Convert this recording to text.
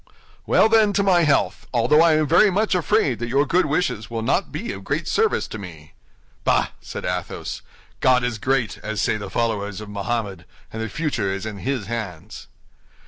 "Well, then, to my health! although I am very much afraid that your good wishes will not be of great service to me." "Bah!" said Athos, "God is great, as say the followers of Mohammed, and the future is in his hands."